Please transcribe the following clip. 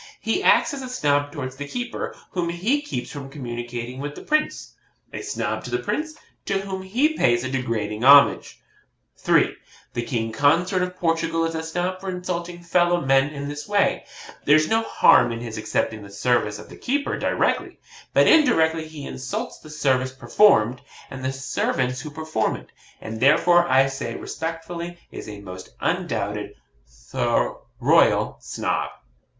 He acts as a Snob towards the keeper, whom he keeps from communication with the Prince a Snob to the Prince, to whom he pays a degrading homage. 3. The King Consort of Portugal is a Snob for insulting fellow men in this way. There's no harm in his accepting the services of the keeper directly; but indirectly he insults the service performed, and the servants who perform it; and therefore, I say, respectfully, is a most undoubted, though royal Snob.